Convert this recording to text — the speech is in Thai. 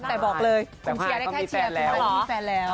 แต่บอกเลยคุณเชียร์ได้แค่เชียร์คุณหายถึงเป็นแฟนแล้ว